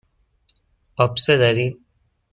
آبسه دارید.